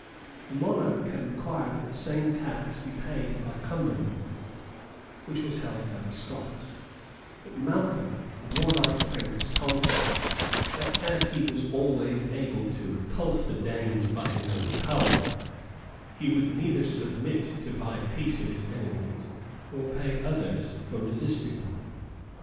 That monarch had required that the same tax should be paid by Cumberland, which was held by the Scots; but Malcolm a warlike prince, told him, that as he was always able to repulse the Danes by his own power, he would neither submit to buy peace of his enemies, nor pay others for resisting them.